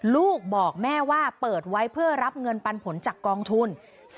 ลูกบอกแม่ว่าเปิดไว้เพื่อรับเงินปันผลจากกองทุน